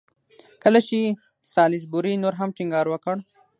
کله چې سالیزبوري نور هم ټینګار وکړ.